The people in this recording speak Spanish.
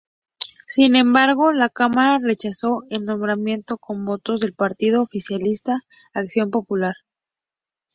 Sin embargo, la cámara rechazó el nombramiento con votos del partido oficialista Acción Popular.